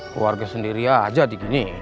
keluarga sendiri aja dikini